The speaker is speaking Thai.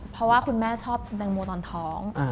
เพราะว่าคุณแม่ชอบแตงโมนอนท้อง